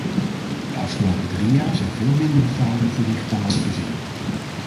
De afgelopen drie jaar zijn veel minder betalingen verricht dan was voorzien.